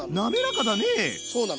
そうなの。